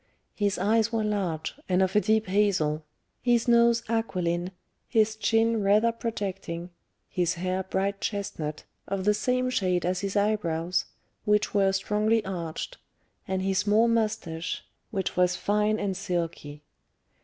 His eyes were large, and of a deep hazel, his nose aquiline, his chin rather projecting, his hair bright chestnut, of the same shade as his eyebrows, which were strongly arched, and his small moustache, which was fine and silky.